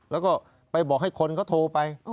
แล้วก็ไปบอกให้คนเขาโทรไป